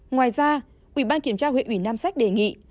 ngoài ra ủy ban kiểm tra huyện ủy nam sách đề nghị